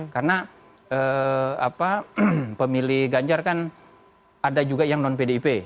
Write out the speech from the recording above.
karena pemilih ganjar kan ada juga yang non pdip